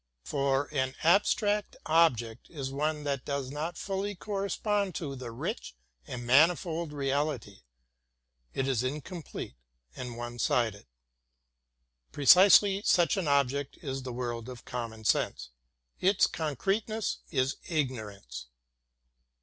For an abstract object is one that does not fully correspond to the rich and manifold reality ; it is incomplete and one sided. Precisely such an object is the world of common sense. Its concreteness is ignorance.